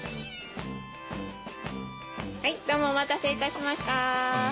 はいどうもお待たせいたしました。